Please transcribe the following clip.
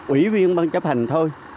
ủy viên băng chấp hành thôi